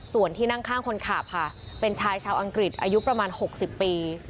ส่วนที่นั่งข้างคนขับค่ะเป็นชายชาวอังกฤษอายุประมาณ๖๐ปี